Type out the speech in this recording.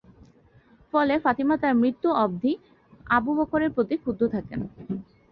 ফলে ফাতিমা তাঁর মৃত্যু অবধি আবু বকরের প্রতি ক্ষুব্ধ থাকেন।